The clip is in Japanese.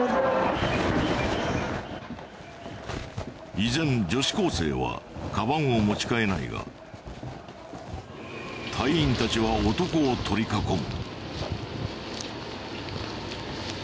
依然女子高生はカバンを持ち替えないが隊員たちは男を取り囲む。